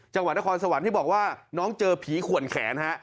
จังหวัดนครสวรรค์ที่บอกว่าน้องเจอผีขวนแขนฮะ